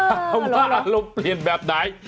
เออหรอว่าอารมณ์เปลี่ยนแบบไหน